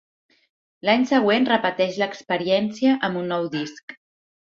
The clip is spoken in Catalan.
I l'any següent repeteix l'experiència amb un nou disc.